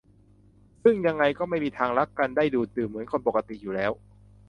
ซึ่งยังไงก็ไม่มีทางรักกันได้ดูดดื่มเหมือนคนปกติอยู่แล้ว